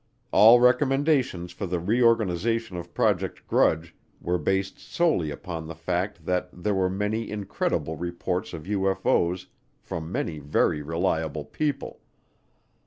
All recommendations for the reorganization of Project Grudge were based solely upon the fact that there were many incredible reports of UFO's from many very reliable people.